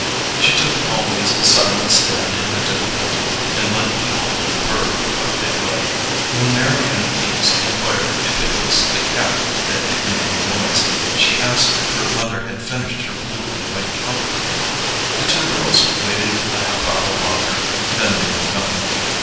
She took always a silent stand in a difficulty, and let people infer what they would. When Mary Ann Pease inquired if it was the cat that had made the noise, she asked if her mother had finished her blue and white counterpane. The two girls waited a half hour longer, then they went home.